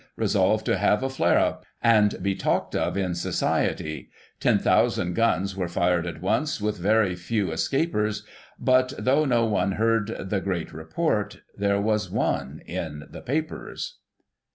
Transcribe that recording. Resolved to have a * flare up ' And be talked of in society ; Ten thousand guns were fired at once. With very few escapers. But, though no one heard the great report. There was one in the papers."